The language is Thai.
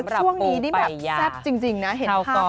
สำหรับปูปัญญาช่วงนี้นี่แบบแซ่บจริงนะเห็นภาพเธอเยอะมาก